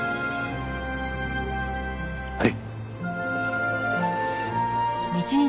はい。